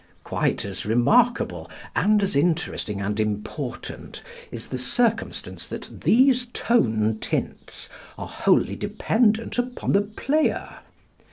Quite as remarkable and as interesting and important is the circumstance that these tone tints are wholly dependent upon the player.